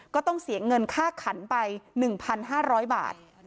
ก็ต้องเสียเงินค่าขันไป๑๕๐๐บาท